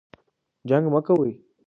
جنګ مه کوئ